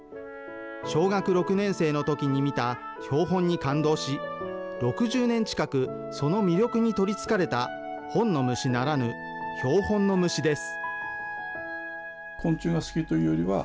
小学６年生のときに見た標本に感動し、６０年近く、その魅力に取りつかれた、本の虫ならぬ、標本の虫です。